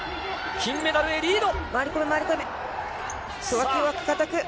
金メダルへリード。